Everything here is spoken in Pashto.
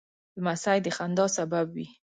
لمسی د خندا سبب وي.